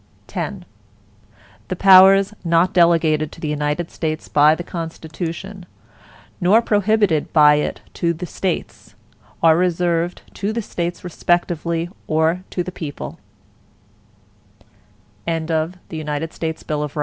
X The powers not delegated to the United States by the Constitution, nor prohibited by it to the States, are reserved to the States respectively, or to the people.